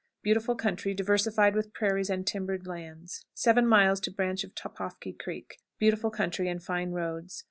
Beautiful country, diversified with prairies and timbered lands. 7. Branch of Topofki Creek. Beautiful country and fine roads.